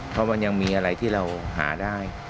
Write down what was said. เพราะมันยังมีอะไรที่เราหาได้